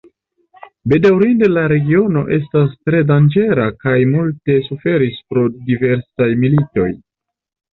Bedaŭrinde la regiono estas tre danĝera kaj multe suferis pro diversaj militoj.